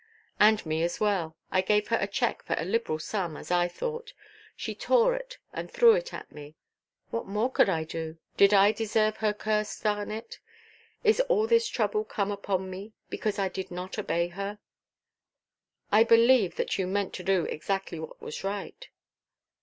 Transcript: "And me as well. I gave her a cheque for a liberal sum, as I thought. She tore it, and threw it at me. What more could I do? Did I deserve her curse, Garnet? Is all this trouble come upon me because I did not obey her?" "I believe that you meant to do exactly what was right."